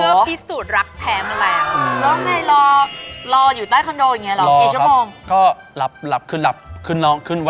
เพื่อพิสูจน์รักแท้มันแล้ว